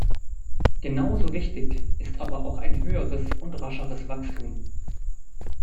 Genau so wichtig ist aber auch ein höheres und rascheres Wachstum.